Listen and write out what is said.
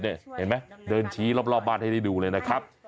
เห็นไหมเดินชี้รอบบ้านให้ได้ดูเลยนะครับ